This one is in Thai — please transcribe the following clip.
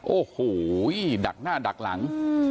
โอ้โหดักหน้าดักหลัง